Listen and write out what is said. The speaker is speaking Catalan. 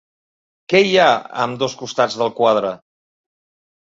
Què hi ha a ambdós costats del quadre?